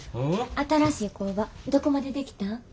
新しい工場どこまでできたん？